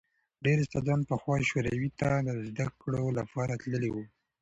ډېر استادان پخوا شوروي ته د زدکړو لپاره تللي وو.